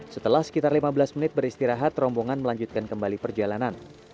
setelah sekitar lima belas menit beristirahat rombongan melanjutkan kembali perjalanan